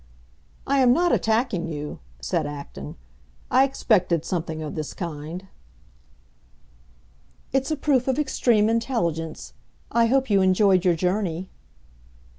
"I am not attacking you," said Acton. "I expected something of this kind." "It's a proof of extreme intelligence. I hope you enjoyed your journey."